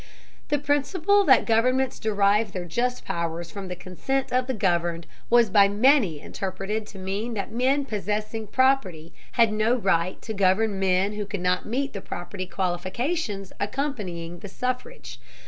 The principle that governments derive their just powers from the consent of the governed was by many interpreted to mean that men possessing property had no right to govern men who could not meet the property qualifications accompanying the suffrage.